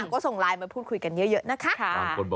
ก็ส่งไลน์มาพูดคุยกันเยอะนะคะ